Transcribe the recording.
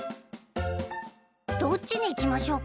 どっちに行きましょうか？